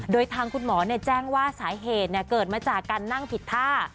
โดยทางคุณหมอแจ้งว่าสาเหตุเกิดมาจากการนั่งผิดท่า